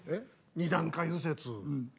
２段階右折。